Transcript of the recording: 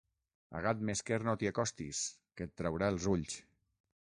A gat mesquer no t'hi acostis, que et traurà els ulls.